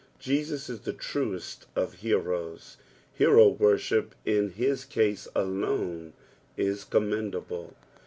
Jesus is the truest of heroes. Hero worship in his case alone is commendnble.